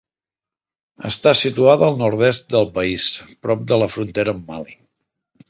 Està situada al nord-est del país, prop de la frontera amb Mali.